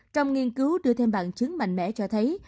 trong nghiên cứu đưa thêm bằng chứng mạnh mẽ cho thấy